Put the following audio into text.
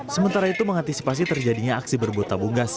sementara itu mengantisipasi terjadinya aksi berbut tabung gas